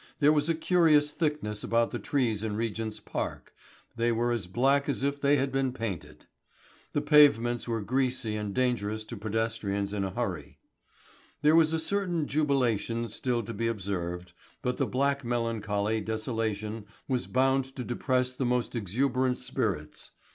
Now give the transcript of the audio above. There was a curious thickness about the trees in Regent's Park, they were as black as if they had been painted. The pavements were greasy and dangerous to pedestrians in a hurry. There was a certain jubilation still to be observed, but the black melancholy desolation was bound to depress the most exuberant spirits.